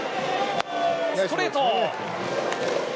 ストレート！